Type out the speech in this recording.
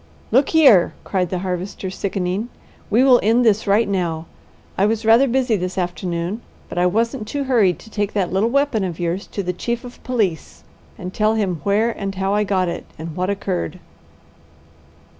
"Look here!" cried the Harvester, sickening. "We will end this right now. I was rather busy this afternoon, but I wasn't too hurried to take that little weapon of yours to the chief of police and tell him where and how I got it and what occurred.